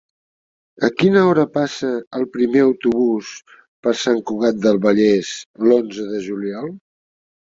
A quina hora passa el primer autobús per Sant Cugat del Vallès l'onze de juliol?